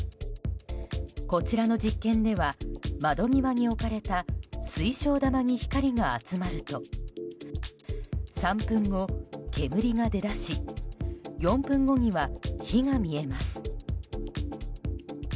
こちらの実験では窓際に置かれた水晶玉に光が集まると３分後、煙が出だし４分後には火が見えます。